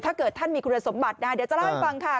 ถ้าเกิดท่านมีคุณสมบัตินะเดี๋ยวจะเล่าให้ฟังค่ะ